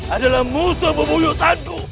adalah musuh pemuyutanku